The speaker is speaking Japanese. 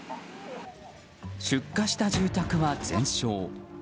出火した住宅は全焼。